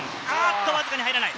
わずかに入らない！